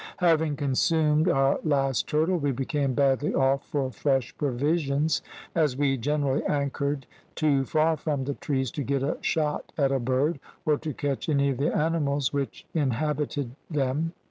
"Having consumed our last turtle we became badly off for fresh provisions, as we generally anchored too far from the trees to get a shot at a bird, or to catch any of the animals which inhabited them.